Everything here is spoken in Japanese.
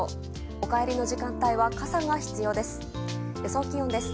お帰りの時間帯は傘が必要です。